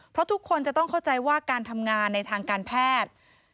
เพราะทุกคนจะต้องเข้าใจว่าการทำงานในทางการแพทย์